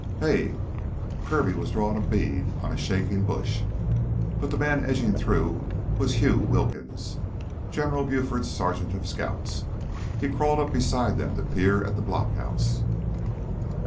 "Hey!" Kirby was drawing a bead on a shaking bush. But the man edging through was Hew Wilkins, General Buford's Sergeant of Scouts. He crawled up beside them to peer at the blockhouse.